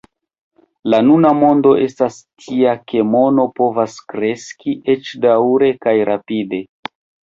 La nuna mondo estas tia ke mono povas kreski, eĉ daŭre kaj rapide.